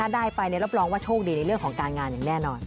ได้ไปรับรองว่าโชคดีในเรื่องของการงานอย่างแน่นอน